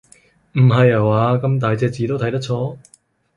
唔係下話，咁大隻字都睇得錯？